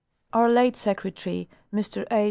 Our late secretary, Mr A.